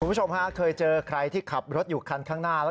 คุณผู้ชมฮะเคยเจอใครที่ขับรถอยู่คันข้างหน้าแล้ว